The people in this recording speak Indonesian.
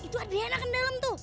itu adriana kan dalem tuh